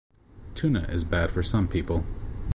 Tuna is bad for some people.